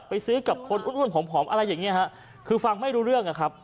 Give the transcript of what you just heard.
ไปซื้อกับคนอ้วนผอมอะไรอย่างเงี้ฮะคือฟังไม่รู้เรื่องอะครับ